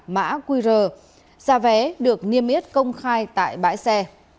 mã qr giá vé được niêm yết công khai tại bãi xe